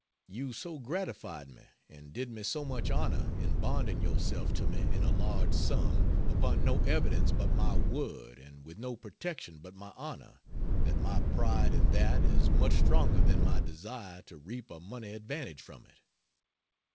You so gratified me, and did me so much honor in bonding yourself to me in a large sum, upon no evidence but my word and with no protection but my honor, that my pride in that is much stronger than my desire to reap a money advantage from it.